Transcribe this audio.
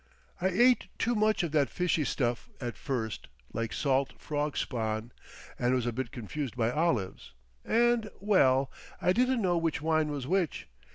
I ate too much of that fishy stuff at first, like salt frog spawn, and was a bit confused by olives; and—well, I didn't know which wine was which.